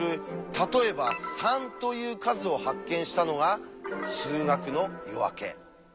例えば「３」という「数」を発見したのが「数学の夜明け」。